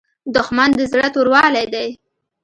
دښمن د زړه توروالی دی